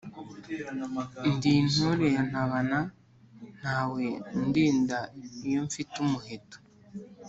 ndi intore ya nyantabana, ntawe undinda iyo mfite umuheto.